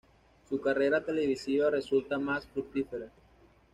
Su carrera televisiva resulta más fructífera.